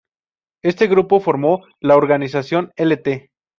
Este grupo formó la organización Lt.